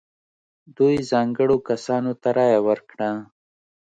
دوی ځانګړو کسانو ته رایه ورکړه.